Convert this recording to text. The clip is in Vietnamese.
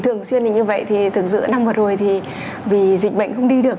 thường xuyên như vậy thì thường dựa năm vật rồi thì vì dịch bệnh không đi được